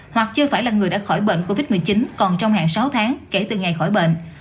hoặc chưa phải là người đã khỏi bệnh covid một mươi chín còn trong hạn sáu tháng kể từ ngày khỏi bệnh